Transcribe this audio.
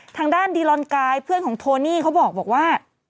ทางด้านดีลอนกายเพื่อนของโทนี่เขาบอกว่า